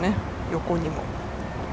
横にも。